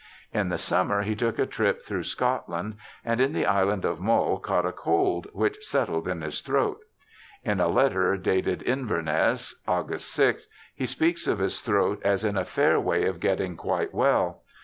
In the summer he took a trip through Scotland, and in the Island of Mull caught a cold, which settled in his throat. In a letter dated Inverness, August 6, he speaks of his throat as in 'a fair way of getting quite well'.